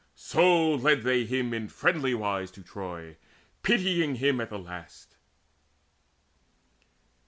So led they him in friendly wise to Troy, Pitying him at the last.